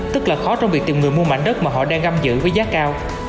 tức là khó trong việc tìm người mua mảnh đất mà họ đang găm giữ với giá cao